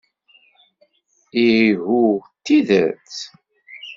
Ihuh, d tidet?